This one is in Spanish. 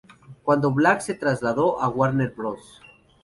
Cuando Black se trasladó a Warner Bros.